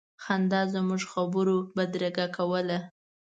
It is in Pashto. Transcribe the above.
خندا زموږ خبرو بدرګه کوله.